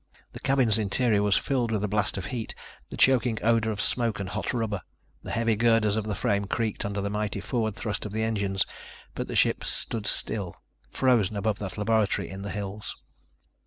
The cabin's interior was filled with a blast of heat, the choking odor of smoke and hot rubber. The heavy girders of the frame creaked under the mighty forward thrust of the engines ... but the ship stood still, frozen above that laboratory in the hills.